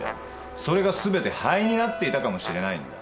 それがすべて灰になっていたかもしれないんだ。